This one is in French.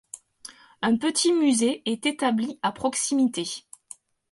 Un petit musée est établi à proximité.